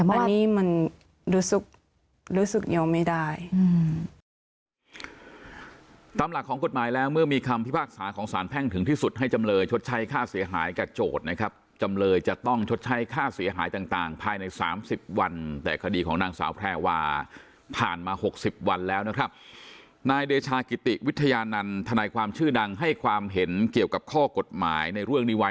อันนี้มันรู้สึกยอมไม่ได้